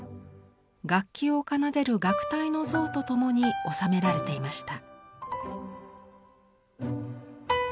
楽器を奏でる楽隊の像と共に納められていました。